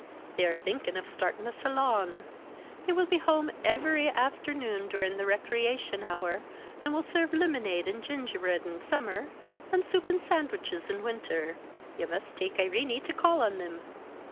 They are thinkin' of startin' a salon. They will be at home ivery afternoon during recreation hour and will serve limonade and gingerbread in summer, and soup and sandwiches in winter. Ye must take Irene to call on thim."